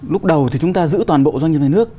lúc đầu thì chúng ta giữ toàn bộ doanh nghiệp nhà nước